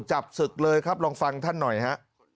จับศึกเลยครับลองฟังท่านหน่อยฮะ